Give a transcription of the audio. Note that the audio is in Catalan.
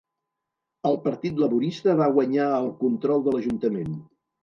El Partit Laborista va guanyar el control de l'ajuntament.